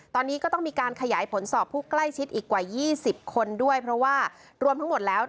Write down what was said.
ตอนนี้ก็ต้องมีการขยายผลสอบผู้ใกล้ชิดอีกกว่า๒๐คนด้วยเพราะว่ารวมทั้งหมดแล้ว